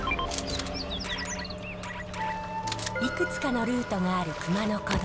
いくつかのルートがある熊野古道。